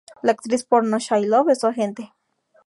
La actriz porno Shy Love es su agente.